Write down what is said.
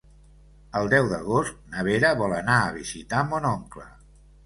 El deu d'agost na Vera vol anar a visitar mon oncle.